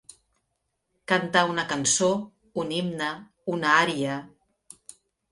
Cantar una cançó, un himne, una ària.